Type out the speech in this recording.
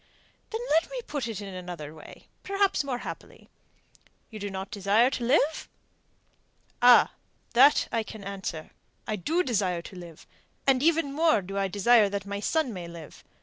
"Then let me put it in another way perhaps more happily: You do not desire to live?" "Ah, that I can answer. I do desire to live; and even more do I desire that my son may live.